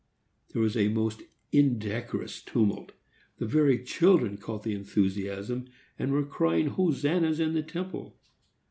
There was a most indecorous tumult. The very children caught the enthusiasm, and were crying Hosannas in the temple.